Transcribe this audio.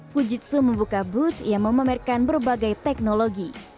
fujitsu membuka booth yang memamerkan berbagai teknologi